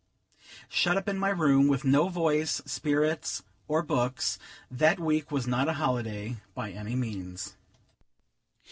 Shut up in my room, with no voice, spirits, or books, that week was not a holiday, by any means.